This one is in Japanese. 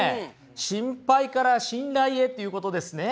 「心配から信頼へ」っていうことですね？